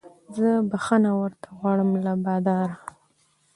زه بخښنه ورته غواړم له باداره